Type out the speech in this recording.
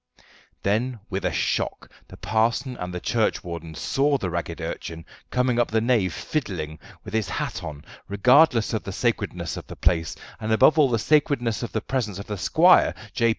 Then when with a shock the parson and the churchwardens saw the ragged urchin coming up the nave fiddling, with his hat on, regardless of the sacredness of the place, and above all of the sacredness of the presence of the squire, J.